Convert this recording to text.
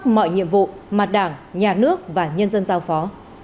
mọi nhiệm vụ mà đảng nhà nước và nhân dân giao phó